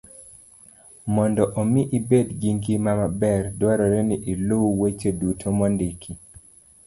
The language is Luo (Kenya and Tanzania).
Mondo omi ibed gi ngima maber, dwarore ni iluw weche duto mondiki